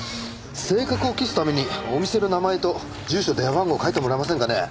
正確を期すためにお店の名前と住所電話番号書いてもらえませんかね？